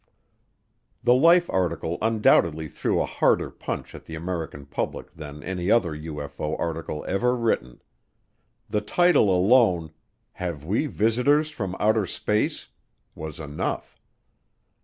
The Life article undoubtedly threw a harder punch at the American public than any other UFO article ever written. The title alone, "Have We Visitors from Outer Space?" was enough.